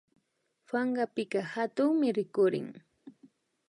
Pankapika hatunmi rikurin